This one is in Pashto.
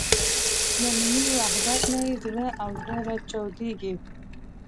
له ملي وحدت نه یې زړه او زره چاودېږي.